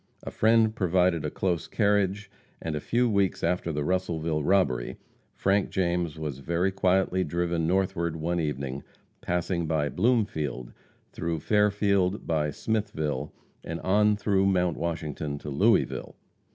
A friend provided a close carriage, and a few weeks after the Russellville robbery Frank James was very quietly driven northward one evening, passing by Bloomfield, through Fairfield, by Smithville, and on through Mount Washington to Louisville.